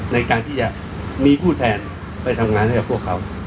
ในการที่จะมีผู้แทนไปทำงานให้กับพวกเขา